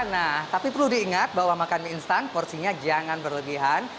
nah tapi perlu diingat bahwa makan instan porsinya jangan berlebihan